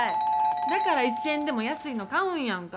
だから一円でも安いの買うんやんか。